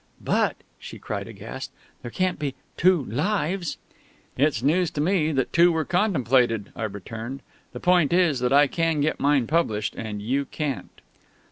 "But," she cried aghast, "there can't be two 'Lives'!..." "It's news to me that two were contemplated," I returned. "The point is, that I can get mine published, and you can't."